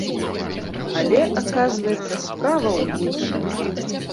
Але, аказваецца, справа ў іншым.